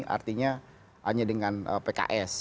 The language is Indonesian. artinya hanya dengan pks